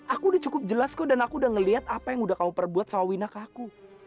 aku udah cukup jelas kok dan aku udah ngeliat apa yang udah kamu perbuat sama wina kaku